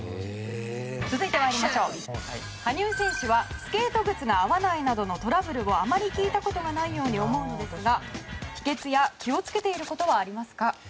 続いて羽生選手はスケート靴が合わないなどのトラブルをあまり聞いたことがないように思うんですが、秘訣や気を付けていることはありますか？